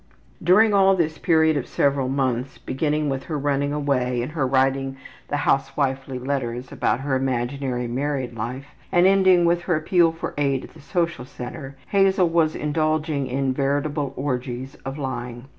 During all this period of several months, beginning with her running away and her writing the housewifely letters about her imaginary married life, and ending with her appeal for aid at the social center, Hazel was indulging in veritable orgies of lying.